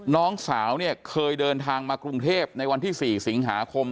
น้องสาวเนี่ยเคยเดินทางมากรุงเทพในวันที่๔สิงหาคม